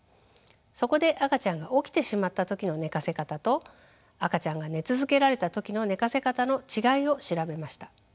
そこで赤ちゃんが起きてしまった時の寝かせ方と赤ちゃんが寝続けられた時の寝かせ方の違いを調べました。